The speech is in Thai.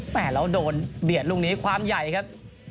แหมแล้วโดนเบียดลูกนี้ความใหญ่ครับ